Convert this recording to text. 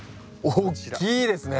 おっきいですね。